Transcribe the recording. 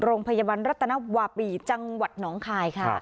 โรงพยาบาลรัตนวาปีจังหวัดหนองคายค่ะ